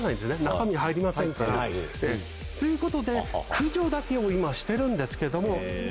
中身入りませんから。ということで駆除だけを今してるんですけども。